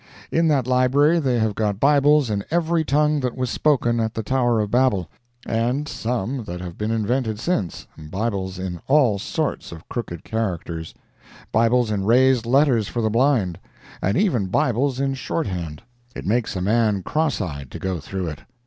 In that library they have got Bibles in every tongue that was spoken at the Tower of Babel, and some that have been invented since; Bibles in all sorts of crooked characters; Bibles in raised letters for the blind; and even Bibles in short hand. It makes a man cross eyed to go through it.